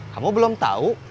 kamu belum tau